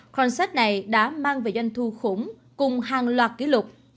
concert này đã mang về doanh thu khủng cùng hàng loạt kỷ lục